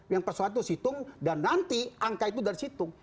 yang persoalan itu situng dan nanti angka itu dari situng